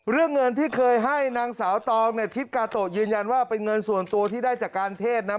เรื่องเงินที่เคยให้นางสาวตองเนี่ยทิศกาโตะยืนยันว่าเป็นเงินส่วนตัวที่ได้จากการเทศนะ